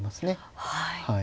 はい。